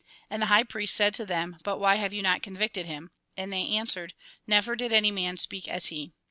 And the high priests said to them :" But why have you not convicted him?" And they answered :" Never did any man speak as he."